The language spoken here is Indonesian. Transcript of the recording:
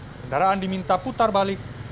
kendaraan diminta putar balik